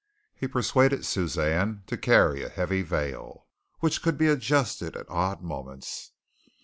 He persuaded Suzanne to carry a heavy veil, which could be adjusted at odd moments.